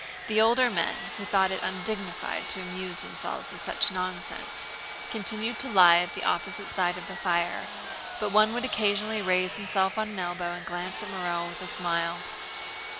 The older men, who thought it undignified to amuse themselves with such nonsense, continued to lie at the opposite side of the fire, but one would occasionally raise himself on an elbow and glance at Morel with a smile.